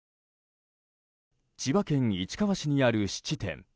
千葉県市川市にある質店。